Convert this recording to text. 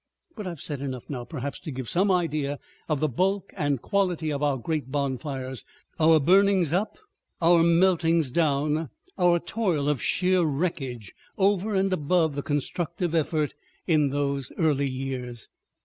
... But I have said enough now perhaps to give some idea of the bulk and quality of our great bonfires, our burnings up, our meltings down, our toil of sheer wreckage, over and above the constructive effort, in those early years.